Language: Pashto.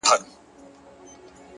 مثبت ذهن د فرصتونو ښکار کوي!